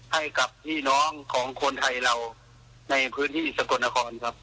ให้กับพี่น้องของคนไทยเราในพื้นที่สกลนครครับ